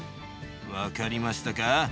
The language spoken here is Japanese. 分かりましたか？